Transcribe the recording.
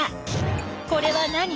これは何？